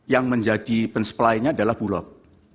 yang menjadi pen supply nya adalah bulog